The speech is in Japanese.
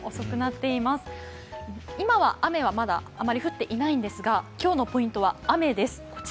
今は雨はあまり降っていないんですが今日のポイントは雨です。